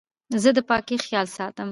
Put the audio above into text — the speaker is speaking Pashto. زه د پاکۍ خیال ساتم.